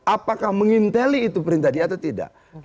apakah menginteli itu perintah dia atau tidak